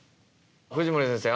藤森先生